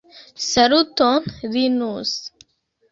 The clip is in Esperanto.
Saluton Linus!